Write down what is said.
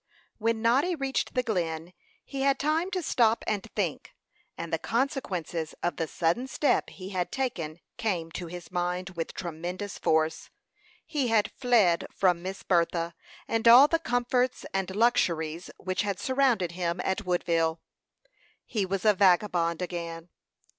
When Noddy reached the Glen, he had time to stop and think; and the consequences of the sudden step he had taken came to his mind with tremendous force. He had fled from Miss Bertha, and all the comforts and luxuries which had surrounded him at Woodville. He was a vagabond again.